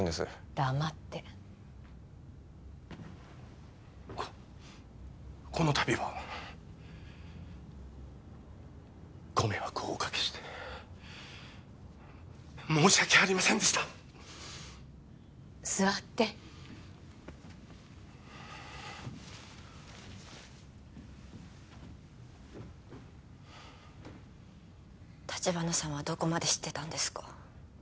黙ってここのたびはご迷惑をおかけして申し訳ありませんでした座って橘さんはどこまで知ってたんですか？